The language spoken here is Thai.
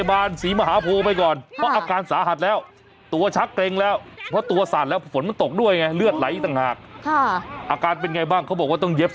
มันฟัสส่วนเฮียร์เฮ้ยไฟอะไรจัง